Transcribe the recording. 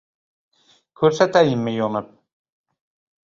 Ko‘rsatayinmi yonib?